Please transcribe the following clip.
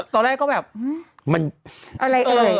ตอนแรกก็แบบมันอะไรเอ่ย